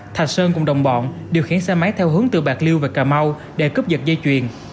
thạch sơn cùng đồng bọn điều khiển xe máy theo hướng từ bạc liêu về cà mau để cướp giật dây chuyền